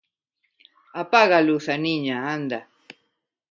–Apaga a luz, Aniña, anda.